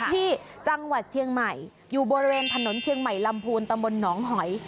ที่จังหวัดเชียงใหม่อยู่บริเวณถนนเชียงใหม่ลำพูนตำบลหนองหอย